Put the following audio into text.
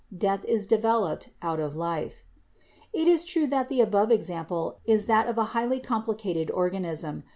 Death is developed out of life, It is true that the above example is that of a highly com plicated organism.